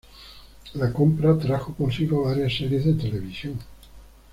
La compra trajo consigo varias series de televisión..